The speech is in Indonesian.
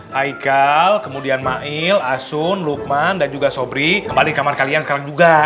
haikal kemudian mail asun lukman dan juga sobri kembali ke kamar kalian sekarang juga